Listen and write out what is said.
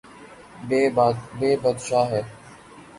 یے بدشاہ ہے